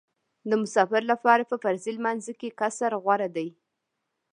د مسافر لپاره په فرضي لمانځه کې قصر غوره دی